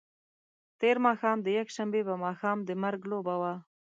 تېر ماښام د یکشنبې په ماښام د مرګ لوبه وشوه.